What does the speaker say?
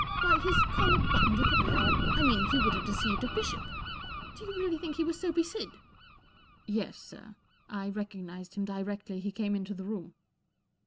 Why, his collar buttoned at the back—I mean, he would have deceived a bishop. Do you really think he was Soapy Sid ?" 44 Yes, sir. I recognized him directly he came into the room."